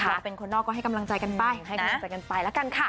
แล้วเป็นคนนอกก็ให้กำลังใจกันไป